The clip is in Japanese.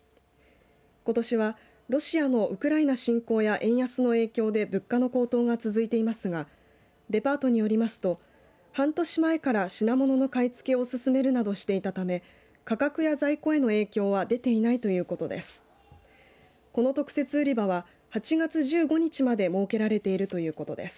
ことしは、ロシアのウクライナ侵攻や円安の影響で物価の高騰が続いていますがデパートによりますと半年前から品物の買い付けを進めるなどしていたため価格や在庫への影響は出ていないということです。